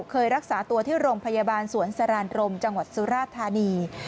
เคยรักษาตัวที่โรงพยาบาลสวนสรานรมจังหวัดสุราธานี